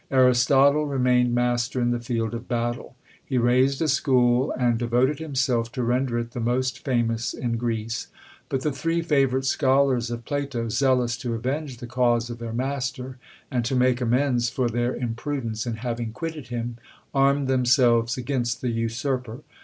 Aristotle remained master in the field of battle. He raised a school, and devoted himself to render it the most famous in Greece. But the three favourite scholars of Plato, zealous to avenge the cause of their master, and to make amends for their imprudence in having quitted him, armed themselves against the usurper.